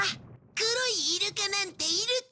黒いイルカなんてイルカ。